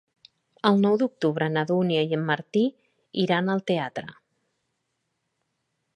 El nou d'octubre na Dúnia i en Martí iran al teatre.